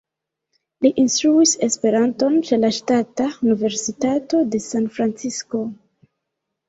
Li instruis Esperanton ĉe la Ŝtata Universitato de San-Francisko.